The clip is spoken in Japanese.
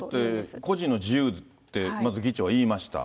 だって個人の自由ってまず議長は言いました。